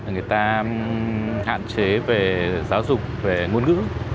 người ta hạn chế về giáo dục về ngôn ngữ